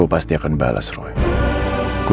aku pasti balas orang yang sudah bikin lo meninggal